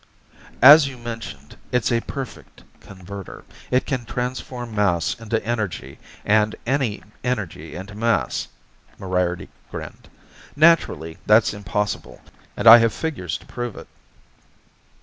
"As you mentioned, it's a perfect converter it can transform mass into energy, and any energy into mass." Moriarty grinned. "Naturally that's impossible and I have figures to prove it."